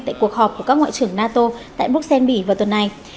tại cuộc họp của các ngoại trưởng nato tại bruxelles bỉ vào tuần này